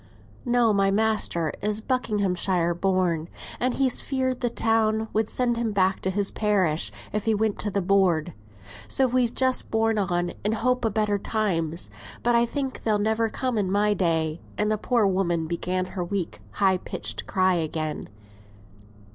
_] "No; my master is Buckinghamshire born; and he's feared the town would send him back to his parish, if he went to th' board; so we've just borne on in hope o' better times. But I think they'll never come in my day;" and the poor woman began her weak high pitched cry again.